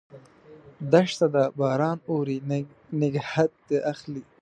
دښته ده ، باران اوري، نګهت اخلي